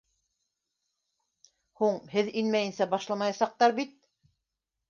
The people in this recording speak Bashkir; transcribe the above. — Һуң һеҙ инмәйенсә башламаясаҡтар бит.